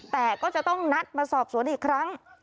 แต่ก็จะต้องนัดมาสอบสวนอีกครั้ง